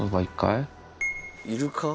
いるか？